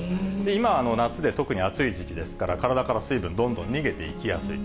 今、夏で特に暑い時期ですから、体から水分、どんどん逃げていきやすい。